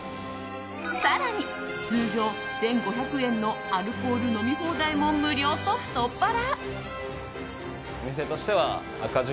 更に、通常１５００円のアルコール飲み放題も無料と太っ腹！